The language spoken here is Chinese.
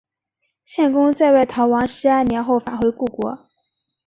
献公在外逃亡十二年后返回故国。